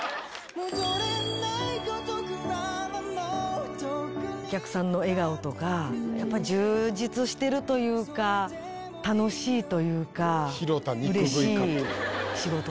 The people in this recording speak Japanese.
お客さんの笑顔とかやっぱ充実してるというか楽しいというかうれしい仕事ですね。